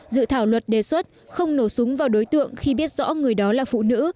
dự thảo luật đề xuất không nổ súng vào đối tượng khi biết rõ người đó là phụ nữ